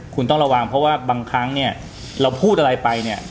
คุณต้องระวังเพราะว่าบางครั้งเนี่ยเราพูดอะไรไปเนี่ย